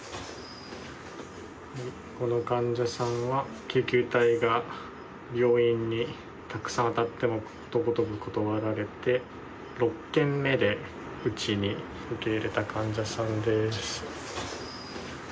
この患者さんは救急隊が病院にたくさんあたってもことごとく断られて、６件目でうちに受け入れた患者さんです。